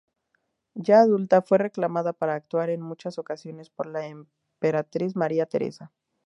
Ya adulta fue reclamada para actuar en muchas ocasiones por la emperatriz María Teresa.